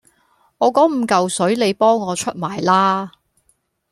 我嗰五嚿水你幫我出埋啦